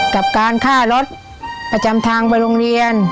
กับการค่ารถประจำทางไปโรงเรียน